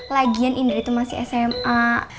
lagian indah itu masih sma